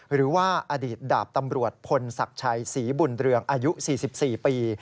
หรือว่าอดีตดาบตำรวจพลศักดิ์ชัยศรีบุญเรืองอายุ๔๔ปี